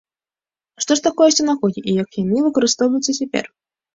Што ж такое сінагогі і як яны выкарыстоўваюцца цяпер?